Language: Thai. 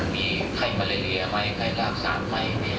มีใครมาเรียนเรียนไหมใครรักษาไหม